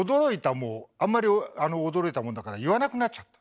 もうあんまり驚いたもんだから言わなくなっちゃった。